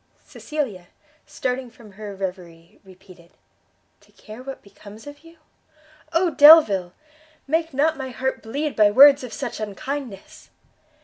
Cecilia, starting from her reverie, repeated, "To care what becomes of you ? Oh Delvile! make not my heart bleed by words of such unkindness!"